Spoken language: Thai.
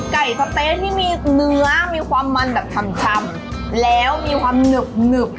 สะเต๊ะที่มีเนื้อมีความมันแบบชำแล้วมีความหนึบ